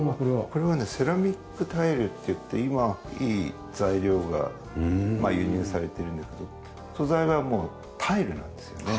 これはねセラミックタイルっていって今いい材料が輸入されてるんですけど素材はもうタイルなんですよね。